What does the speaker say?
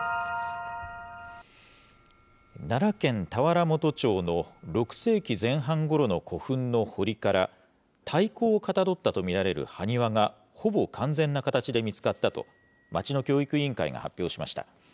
奈良県田原本町の６世紀前半ごろの古墳の堀から、太鼓をかたどったと見られる埴輪が、ほぼ完全な形で見つかったと、町の教育委員会が発表しました。